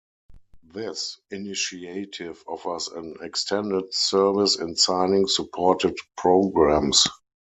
This initiative offers an extended service in signing supported programmes.